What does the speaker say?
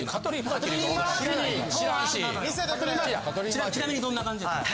ちなみにどんな感じやった？